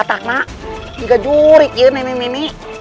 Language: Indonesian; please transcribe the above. tidak juri ini